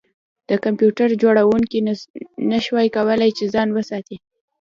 د کمپیوټر جوړونکي نشوای کولی چې ځان وساتي